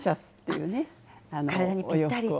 体にぴったりと。